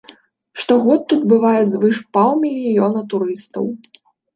Штогод тут бывае звыш паўмільёна турыстаў.